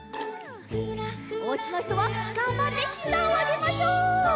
おうちのひとはがんばってひざをあげましょう！